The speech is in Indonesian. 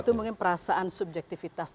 itu mungkin perasaan subjektivitas